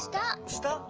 した？